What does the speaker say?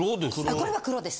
これは黒です。